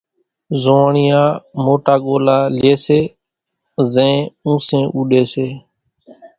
زوئاڻيا موٽا ڳولا لئي سي زين اونسين اُوڏي سي۔